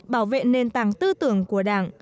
bảo vệ nền tảng tư tưởng của đảng